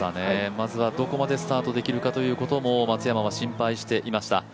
まずはどこまでスタートできるかということも松山は心配していました。